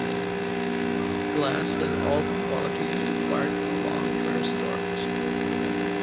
Glass has all the qualities required for long-term storage.